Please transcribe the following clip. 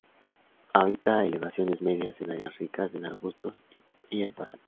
Habita a elevaciones medias en áreas ricas en arbustos y en pastizales.